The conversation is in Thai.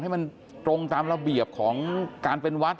ให้มันตรงตามระเบียบของการเป็นวัด